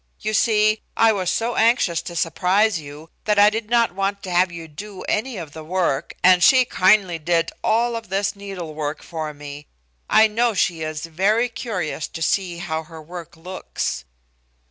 You see, I was so anxious to surprise you that I did not want to have you do any of the work, and she kindly did all of this needlework for me. I know she is very curious to see how her work looks."